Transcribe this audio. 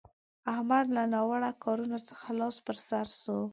احمد له ناوړه کارونه څخه لاس پر سو شو.